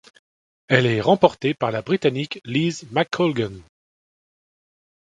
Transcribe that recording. Elle est remportée par la Britannique Liz McColgan.